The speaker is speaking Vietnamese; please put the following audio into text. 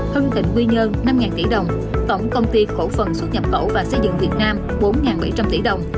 hưng thịnh quy nhơn năm tỷ đồng tổng công ty cổ phần xuất nhập khẩu và xây dựng việt nam bốn bảy trăm linh tỷ đồng